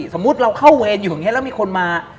สมมุติเราเข้าเวรอยู่ตรงนี้แล้วมีคนมา